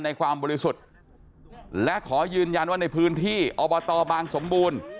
ความบริสุทธิ์และขอยืนยันว่าในพื้นที่อบตบางสมบูรณ์